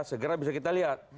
segera bisa kita lihat